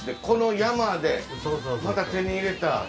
この山でまた手に入れた。